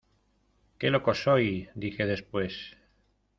¡Qué loco soy! dije después.